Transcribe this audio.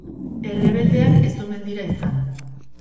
Errebeldeak ez omen dira izan.